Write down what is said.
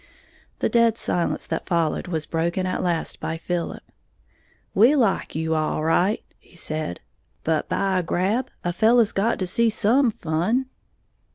The dead silence that followed was broken at last by Philip. "We like you all right," he said; "but, by grab, a fellow's got to see some fun!"